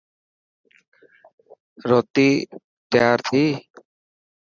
روتي تيار ٿي.